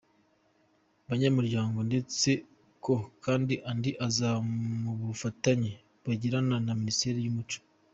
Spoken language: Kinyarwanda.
banyamuryango ndetse ko kandi andi azaba mu bufatanye bagirana na Minisiteri y’Umuco